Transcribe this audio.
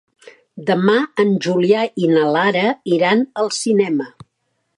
Demà en Julià i na Lara iran al cinema.